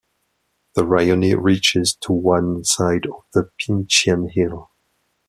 The rione reaches to one side of the Pincian Hill.